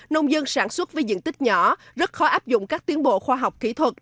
nông dân sản xuất với diện tích nhỏ rất khó áp dụng các tiến bộ khoa học kỹ thuật